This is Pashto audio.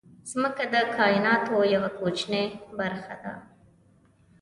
مځکه د کایناتو یوه کوچنۍ برخه ده.